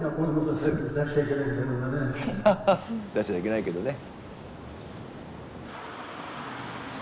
出しちゃいけないけどね。